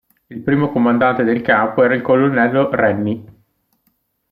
Il primo comandante del campo era il colonnello Rennie.